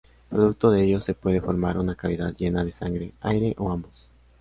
Producto de ello se puede formar una cavidad llena de sangre, aire, o ambos.